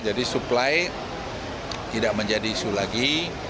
jadi supply tidak menjadi isu lagi